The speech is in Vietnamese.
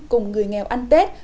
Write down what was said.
cùng người nghèo ăn tết